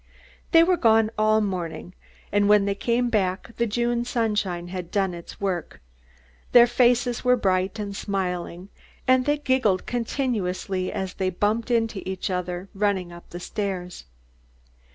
They were gone all morning, and when they came back the June sunshine had done its work. Their faces were bright and smiling, and they giggled continuously as they bumped into each other, running up the stairs.